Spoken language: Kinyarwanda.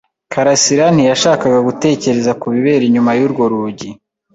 karasira ntiyashakaga gutekereza ku bibera inyuma y'urwo rugi.